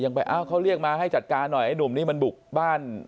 ยังไปเอาเขาเรียกมาให้จัดการหน่อยนุ่มนี้เป็นบุกบ้าน